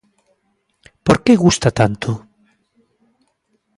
Por que gusta tanto?